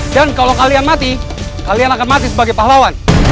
dan kalau kalian mati kalian akan mati sebagai pahlawan